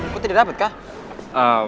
kok tidak dapet kah